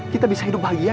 kita bisa hidup bahagia